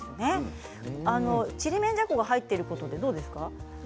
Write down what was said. ちりめんじゃこが入ってるということでどうですか。